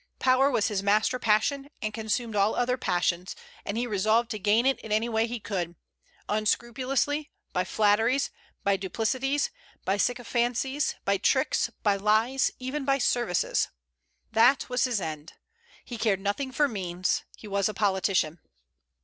Power was his master passion, and consumed all other passions; and he resolved to gain it in any way he could, unscrupulously, by flatteries, by duplicities, by sycophancies, by tricks, by lies, even by services. That was his end. He cared nothing for means. He was a politician.